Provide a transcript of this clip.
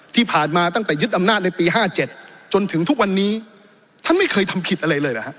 ที่ผ่านมาตั้งแต่ยึดอำนาจในปี๕๗จนถึงทุกวันนี้ท่านไม่เคยทำผิดอะไรเลยเหรอฮะ